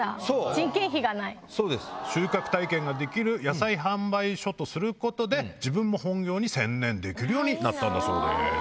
収穫体験ができる野菜販売所とすることで自分も本業に専念できるようになったんだそうです。